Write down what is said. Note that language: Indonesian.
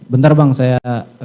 bentar bang saya